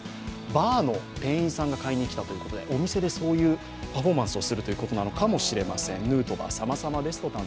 バーの店員さんが買いに来たということで、お店でそういうパフォーマンスをするということなのかもしれません。